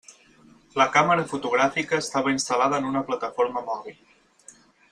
La càmera fotogràfica estava instal·lada en una plataforma mòbil.